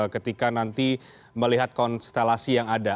ketika nanti melihat konstelasi yang ada